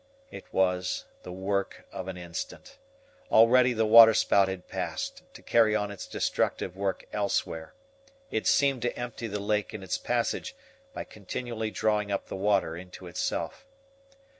It was the work of an instant. Already the water spout had passed, to carry on its destructive work elsewhere. It seemed to empty the lake in its passage, by continually drawing up the water into itself.